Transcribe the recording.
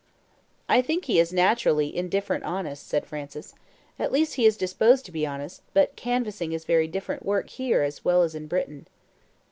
"I think he is naturally 'indifferent honest,'" said Francis. "At least, he is disposed to be honest, but canvassing is very different work here as well as in Britain."